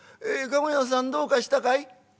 え駕籠屋さんどうかしたかい」。